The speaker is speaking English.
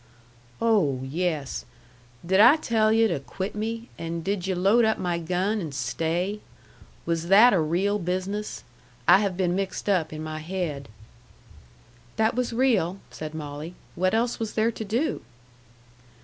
"Oh, yes. Did I tell yu' to quit me, and did yu' load up my gun and stay? Was that a real business? I have been mixed up in my haid." "That was real," said Molly. "What else was there to do?"